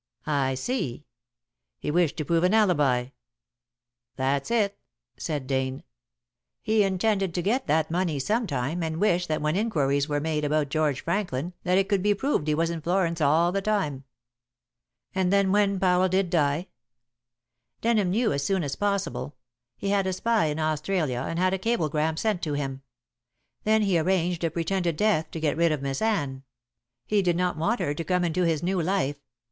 "I see. He wished to prove an alibi." "That's it," said Dane. "He intended to get that money sometime, and wished that when inquiries were made about George Franklin that it could be proved he was in Florence all the time." "And then when Powell did die?" "Denham knew as soon as possible. He had a spy in Australia, and had a cablegram sent to him. Then he arranged a pretended death to get rid of Miss Anne. He did not want her to come into his new life.